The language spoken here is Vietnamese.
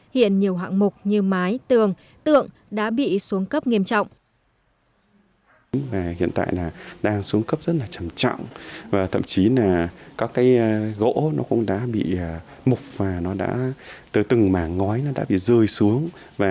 hiện nhiều hạng mục như mái tường tượng đã bị xuống cấp nghiêm trọng